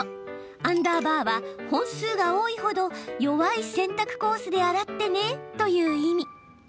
アンダーバーは、本数が多いほど弱い洗濯コースで洗ってねという意味。